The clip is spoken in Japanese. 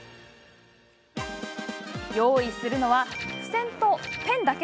用意するのは、付箋とペンだけ。